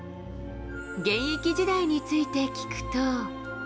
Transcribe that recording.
現役時代について聞くと。